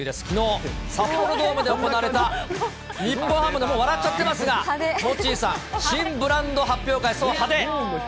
きのう、札幌ドームで行われた日本ハムの、もう笑っちゃってますが、モッチーさん、新ブランド発表会、そう、派手。